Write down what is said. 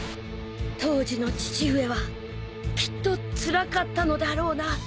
［当時の父上はきっとつらかったのだろうな］